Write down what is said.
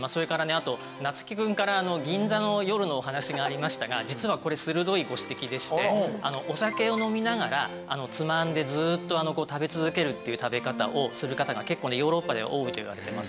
あと夏樹くんから銀座の夜のお話がありましたが実はこれ鋭いご指摘でしてお酒を飲みながらつまんでずっと食べ続けるっていう食べ方をする方が結構ねヨーロッパでは多いといわれています。